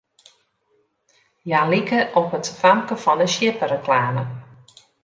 Hja like op it famke fan 'e sjippereklame.